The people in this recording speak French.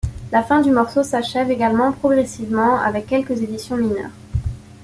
La fin du morceau s'achève également progressivement avec quelques éditions mineures.